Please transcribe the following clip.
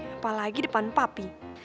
apalagi depan papi